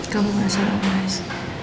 kamu gak salah mas